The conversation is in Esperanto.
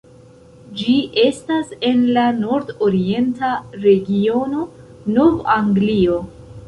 Ĝi estas en la nord-orienta regiono Nov-Anglio.